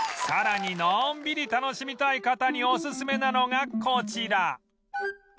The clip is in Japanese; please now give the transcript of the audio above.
さらにのんびり楽しみたい方にオススメなのがこちら